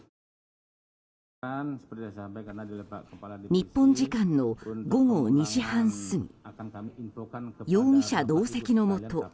日本時間の午後２時半過ぎ容疑者同席のもと